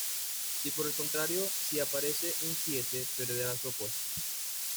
Si por el contrario si aparece un siete, perderá su apuesta.